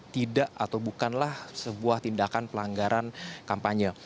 tidak atau bukanlah sebuah tindakan pelanggaran kampanye